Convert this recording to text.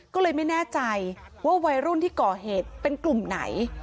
ก็เลยไม่แน่ใจว่าวัยรุ่นที่ก่อเหตุเป็นกลุ่มไหน